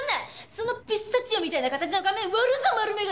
そのピスタチオみたいな形の顔面割るぞ丸眼鏡！